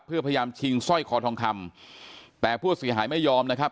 เพื่อพยายามชิงสร้อยคอทองคำแต่ผู้เสียหายไม่ยอมนะครับ